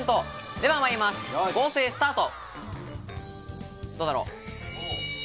では参ります、合成スタート。